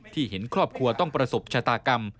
เห็นครอบครัวต้องประสบชะตากรรม